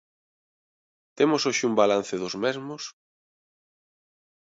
¿Temos hoxe un balance dos mesmos?